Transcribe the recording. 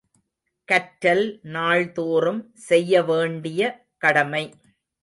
கற்றல் நாள்தோறும் செய்ய வேண்டிய கடமை.